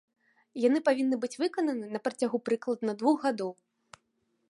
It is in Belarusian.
Яны павінны быць выкананы на працягу прыкладна двух гадоў.